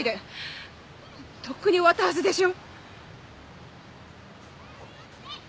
とっくに終わったはずでしょ？